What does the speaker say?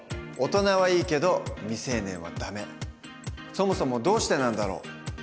そもそもどうしてなんだろう？